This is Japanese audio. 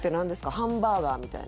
ハンバーガーみたいな？